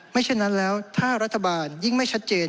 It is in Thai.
ฉะนั้นแล้วถ้ารัฐบาลยิ่งไม่ชัดเจน